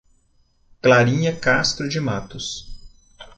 Clarinha Castro de Matos